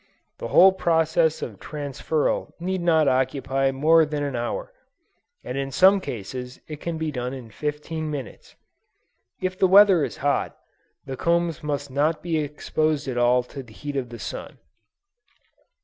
The whole process of transferal need not occupy more than an hour, and in some cases it can be done in fifteen minutes. If the weather is hot, the combs must not be exposed at all to the heat of the sun.